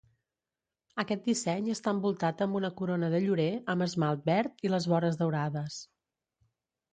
Aquest disseny està envoltat amb una corona de llorer amb esmalt verd i les vores daurades.